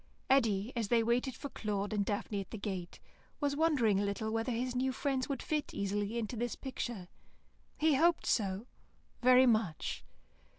Eddy, as they waited for Claude and Daphne at the gate, was wondering a little whether his new friends would fit easily into this picture. He hoped so, very much.